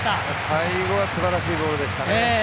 最後はすばらしいボールでしたね。